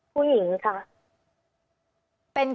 ผู้หญิงค่ะ